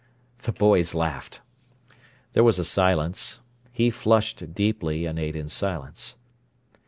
The boys laughed. There was a silence. He flushed deeply, and ate in silence.